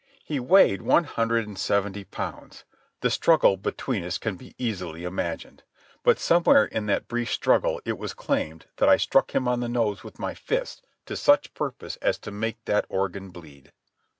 He weighed one hundred and seventy pounds. The struggle between us can be easily imagined, but somewhere in that brief struggle it was claimed that I struck him on the nose with my fist to such purpose as to make that organ bleed.